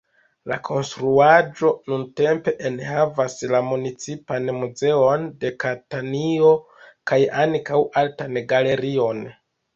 La konstruaĵo nuntempe enhavas la municipan muzeon de Katanio, kaj ankaŭ artan galerion.